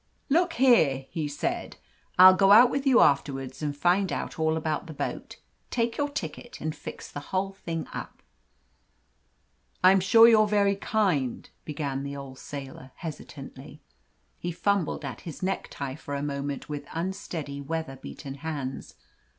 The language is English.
"Look here," he said, "I'll go out with you afterwards and find out all about the boat, take your ticket, and fix the whole thing up." "I'm sure you're very kind," began the old sailor hesitatingly. He fumbled at his necktie for a moment with unsteady, weather beaten hands.